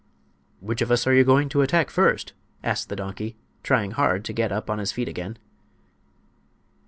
"Which of us are you going to attack first?" asked the donkey, trying hard to get upon his feet again.